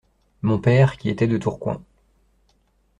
Mon père, qui était de Tourcoing…